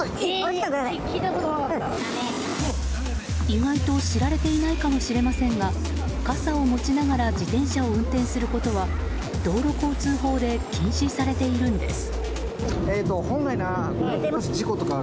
意外と知られていないかもしれませんが傘を持ちながら自転車を運転することは道路交通法で禁止されているんです。